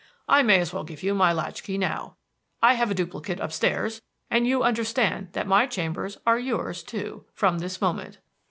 I may as well give you my latch key now. I have a duplicate upstairs, and you understand that my chambers are yours too from this moment."